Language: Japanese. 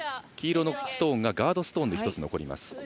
黄色のストーンがガードストーンで１つ残ります。